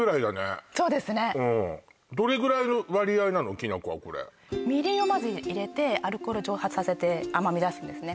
きな粉はこれみりんをまず入れてアルコールを蒸発させて甘み出すんですね